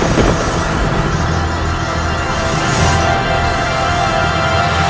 kemenangan akan berada di pihakmu